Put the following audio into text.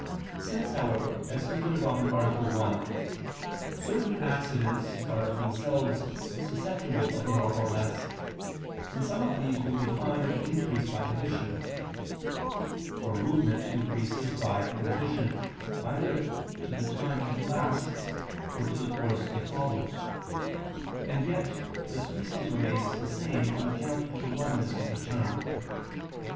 Since, however, as stated above (A. 1), certain accidents are of themselves susceptible of more or less, in some of these we may find increase by addition. For movement increases by an addition either to the time it lasts, or to the course it follows: and yet the species remains the same on account of the oneness of the term.